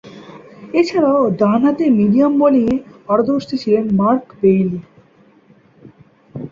এছাড়াও, ডানহাতে মিডিয়াম বোলিংয়ে পারদর্শী ছিলেন মার্ক বেইলি।